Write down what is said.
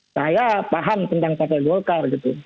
saya paham tentang pak jolkar gitu